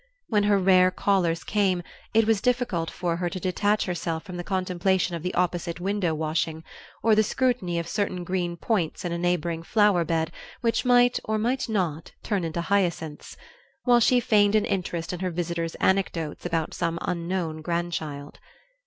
When her rare callers came it was difficult for her to detach herself from the contemplation of the opposite window washing, or the scrutiny of certain green points in a neighboring flower bed which might, or might not, turn into hyacinths, while she feigned an interest in her visitor's anecdotes about some unknown grandchild.